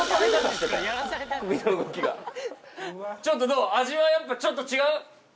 ちょっとどう？